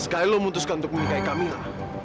sekali lo mutuskan untuk menikahi camilla